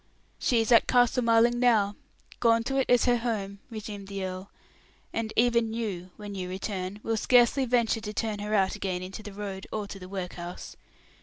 "She is at Castle Marling now gone to it as her home," resumed the earl; "and even you, when you return, will scarcely venture to turn her out again into the road, or to the workhouse.